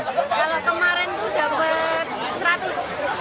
kalau kemarin itu dapat seratus